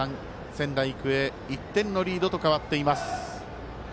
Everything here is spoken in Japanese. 仙台育英、１点のリードと変わっています。